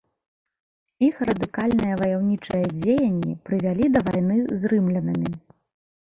Іх радыкальныя ваяўнічыя дзеянні прывялі да вайны з рымлянамі.